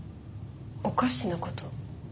おかしなこと？